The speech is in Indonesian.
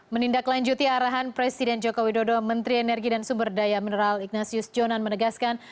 menindaklanjuti arahan presiden joko widodo menteri energi dan sumber daya mineral ignatius jonan menegaskan